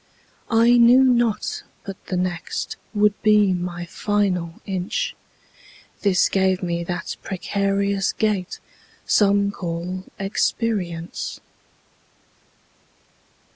I knew not but the next Would be my final inch, This gave me that precarious gait Some call experience.